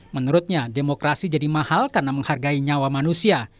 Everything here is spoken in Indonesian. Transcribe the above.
menurutnya demokrasi jadi mahal karena menghargai nyawa manusia